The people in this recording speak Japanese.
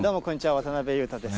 渡辺裕太です。